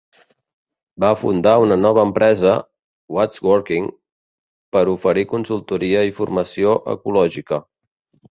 Va fundar una nova empresa, What's Working, per oferir consultoria i formació ecològica.